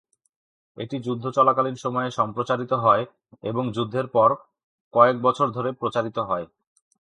এটি যুদ্ধ চলাকালীন সময়ে প্রচারিত হয় এবং যুদ্ধের পর কয়েক বছর ধরে প্রচারিত হয়।